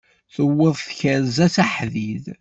Tuweḍ tkerza s aḥdid!